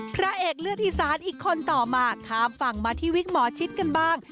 พระเอกเลือดอีสานอีกคนต่อมาข้ามฝั่งมาที่วิกหมอชิดกันบ้าง